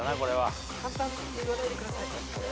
簡単言わないでください。